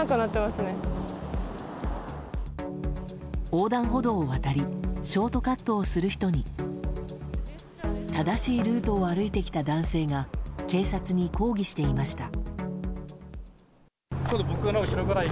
横断歩道を渡りショートカットをする人に正しいルートを歩いてきた男性が警察に抗議していました。